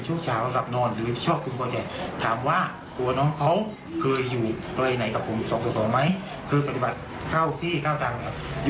เรานับเหลือแบบหน้าต่อผลาก็ฉะนั้นความสำคัญของหน้าต่อผลาเนี่ย